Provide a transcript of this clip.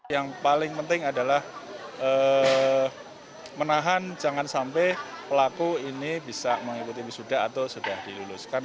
yang paling penting adalah menahan jangan sampai pelaku ini bisa mengikuti wisuda atau sudah diluluskan